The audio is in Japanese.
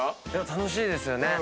楽しいですよね。